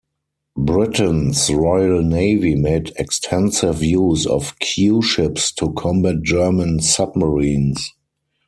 Britain's Royal Navy made extensive use of Q-ships to combat German submarines.